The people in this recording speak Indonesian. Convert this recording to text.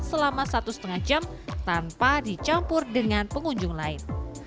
selama satu setengah jam tanpa dicampur dengan pengunjung lain